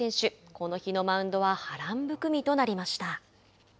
この日のマウンドは波乱含みとなりました。